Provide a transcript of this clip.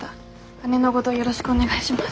姉のごどよろしくお願いします。